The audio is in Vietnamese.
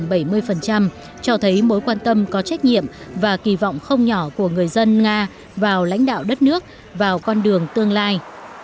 cho thấy mối quan tâm có trách nhiệm và kỳ vọng không nhỏ của người dân nga vào lãnh đạo đất nước vào con đường tương lai